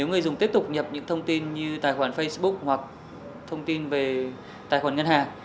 người dùng tiếp tục nhập những thông tin như tài khoản facebook hoặc thông tin về tài khoản ngân hàng